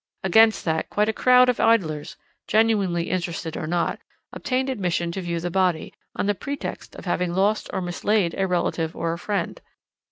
"Against that, quite a crowd of idlers genuinely interested or not obtained admission to view the body, on the pretext of having lost or mislaid a relative or a friend.